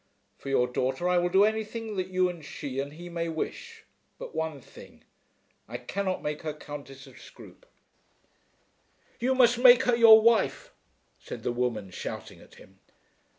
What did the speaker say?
For your daughter I will do anything that you and she and he may wish, but one thing. I cannot make her Countess of Scroope." "You must make her your wife," said the woman, shouting at him.